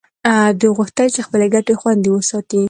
دوی غوښتل چې خپلې ګټې خوندي وساتي